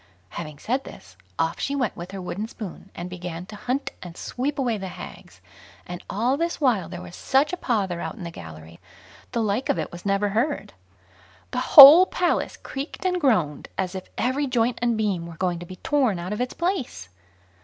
Having said this, off she went with her wooden spoon, and began to hunt and sweep away the hags; and all this while there was such a pother out in the gallery, the like of it was never heard. The whole Palace creaked and groaned as if every joint and beam were going to be torn out of its place.